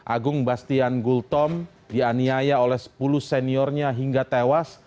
agung bastian gultom dianiaya oleh sepuluh seniornya hingga tewas